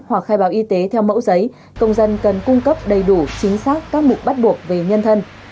hoặc khai báo y tế theo mẫu giấy công dân cần cung cấp đầy đủ chính xác các mục bắt buộc về nhân thân